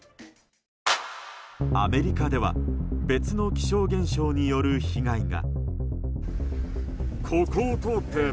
アメリカでは別の気象現象による被害が。